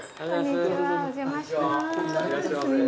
こんにちはお邪魔します。